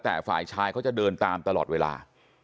แต่ฝ่ายชายเขาจะเดินตามตลอดเวลา